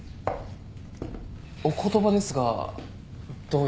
お言葉ですがどうやって？